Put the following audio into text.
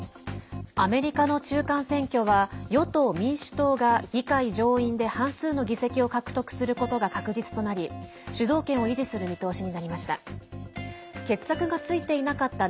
アメリカの中間選挙は与党・民主党が議会上院で半数の議席を獲得することが確実となり主導権を維持する見通しになりました。